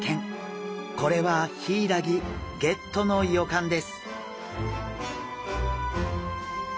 これはヒイラギゲットの予感です！